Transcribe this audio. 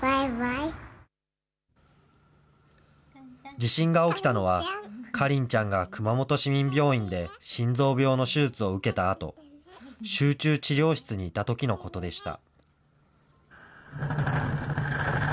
地震が起きたのは、花梨ちゃんが熊本市民病院で心臓病の手術を受けたあと、集中治療室にいたときのことでした。